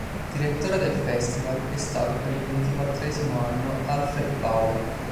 Direttore del festival è stato per il ventiquattresimo anno Alfred Bauer.